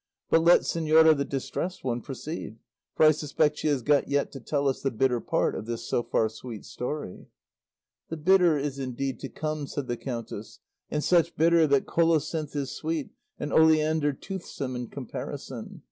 But let señora the Distressed One proceed; for I suspect she has got yet to tell us the bitter part of this so far sweet story." "The bitter is indeed to come," said the countess; "and such bitter that colocynth is sweet and oleander toothsome in comparison.